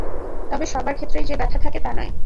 তবে সবার ক্ষেত্রেই যে ব্যথা থাকে তা নয়।